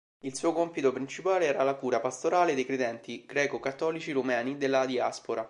Il suo compito principale era la cura pastorale dei credenti greco-cattolici rumeni della diaspora.